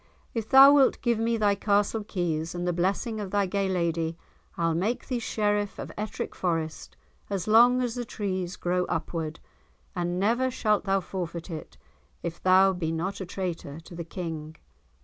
"If thou wilt give me thy castle keys and the blessing of thy gay lady, I'll make thee Sheriff of Ettrick Forest as long as the trees grow upward, and never shalt thou forfeit it, if thou be not a traitor to the King."